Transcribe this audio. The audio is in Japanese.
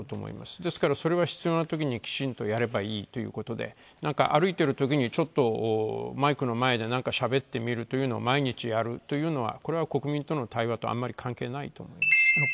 ですから、それは必要なときにきちんとやればいいということで歩いているときに、ちょっとマイクの前でなんかしゃべってみるというのを毎日やるというのはこれは国民との対話とあんまり関係ないと。